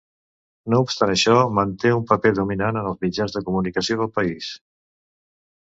No obstant això, manté un paper dominant en els mitjans de comunicació del país.